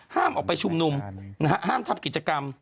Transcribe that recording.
ห้ามออกไปชุมนุมห้ามทำกิจกรรม